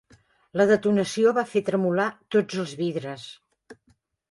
La detonació va fer tremolar tots els vidres.